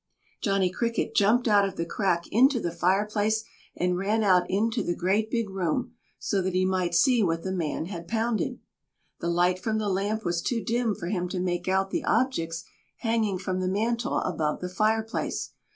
Johnny Cricket jumped out of the crack into the fireplace and ran out into the great big room so that he might see what the man had pounded. The light from the lamp was too dim for him to make out the objects hanging from the mantel above the fireplace.